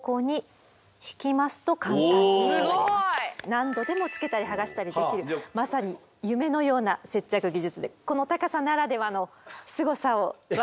何度でもつけたりはがしたりできるまさに夢のような接着技術でこの高さならではのすごさを分かって頂けたかと。